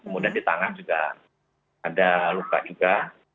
kemudian di tangan juga ada luka juga